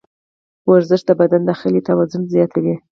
ورزش د بدن داخلي توان زیاتوي.